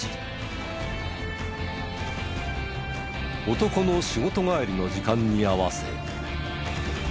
男の仕事帰りの時間に合わせ。